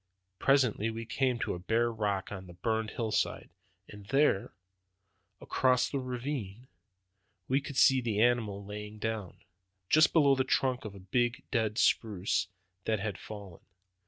Presently we came out on a bare rock on the burned hillside, and there, across a ravine, we could see the animal lying down, just below the trunk of a big dead spruce that had fallen.